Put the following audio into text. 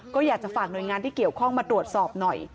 ก็อยากจะฝากหน่วยงานที่เกี่ยวข้องมาตรวจสอบหน่อย